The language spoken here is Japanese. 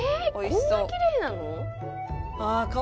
こんなきれいなの？